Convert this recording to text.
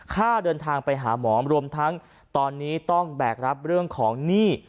ค่าเดินทางไปหาหมอรวมทั้งตอนนี้ต้องแบกรับเรื่องของหนี้